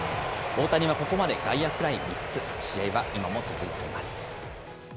大谷はここまで外野フライ３つ、試合は今も続いています。